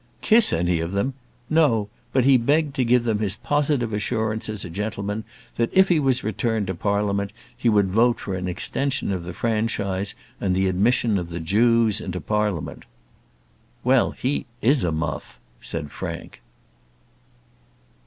"Kiss any of them? No; but he begged to give them his positive assurance as a gentleman, that if he was returned to Parliament he would vote for an extension of the franchise, and the admission of the Jews into Parliament." "Well, he is a muff!" said Frank.